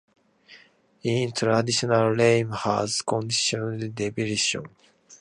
Its traditional name has conflicting derivations.